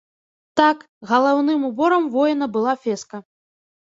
Так, галаўным уборам воіна была феска.